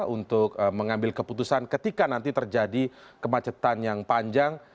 untuk mengambil keputusan ketika nanti terjadi kemacetan yang panjang